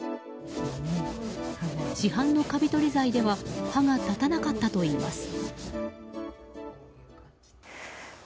市販のカビ取り剤では歯が立たなかったといいます。